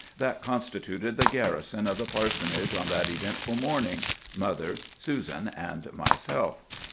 That constituted the garrison of the parsonage on that eventful morning,—mother, Susan, and myself.